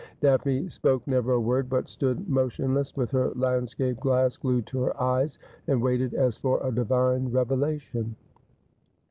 Daphne spoke never a word, but stood motionless, with her landscape glass glued to her eyes, and waited, as for a divine revelation.